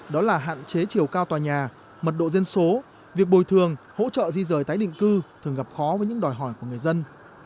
đó là hạn chế chiều cao tòa nhà mật độ dân số việc bồi thường hỗ trợ di rời tái định cư thường gặp khó với những đòi hỏi của người dân